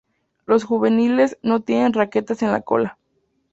Los juveniles no tienen raquetas en la cola.